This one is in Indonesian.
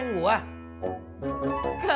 he lu mau tawain gua